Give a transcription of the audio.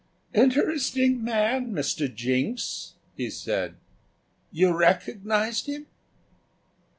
"Interesting man, Mr. Jinks?" he said; "you recognised him?"